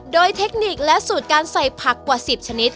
โดยเทคนิคและสูตรการใส่ผักกว่า๑๐ชนิด